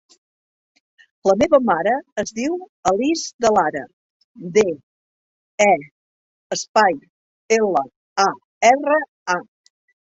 La meva mare es diu Alice De Lara: de, e, espai, ela, a, erra, a.